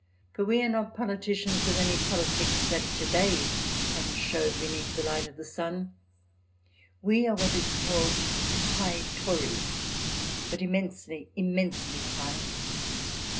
For we are not politicians of any politics that to day can show beneath the light of the sun. We are what is called high Tories ... but immensely, immensely high.